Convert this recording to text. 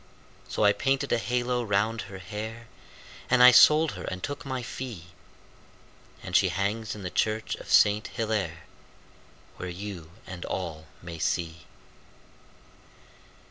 So I painted a halo round her hair, And I sold her and took my fee, And she hangs in the church of Saint Hillaire, Where you and all may see.